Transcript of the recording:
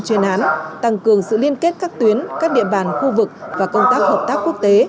chuyên án tăng cường sự liên kết các tuyến các địa bàn khu vực và công tác hợp tác quốc tế